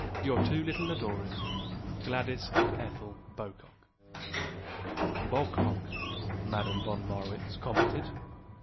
Your two little adorers, Gladys and Ethel Bocock." "Bocock," Madame von Marwitz commented.